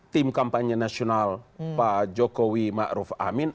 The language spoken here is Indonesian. tim kampanye nasional pak jokowi ma'ruf amin